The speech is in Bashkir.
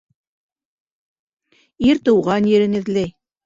Ир тыуған ерен эҙләй.